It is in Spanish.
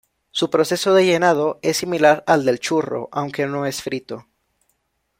Su proceso de llenado es similar al del churro, aunque no es frito.